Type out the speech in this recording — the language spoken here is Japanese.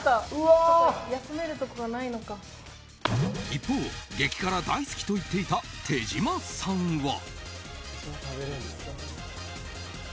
一方、激辛大好きと言っていた手島さんは。